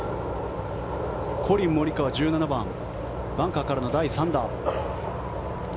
コリン・モリカワ１７番、バンカーからの第３打。